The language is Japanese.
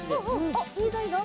おっいいぞいいぞ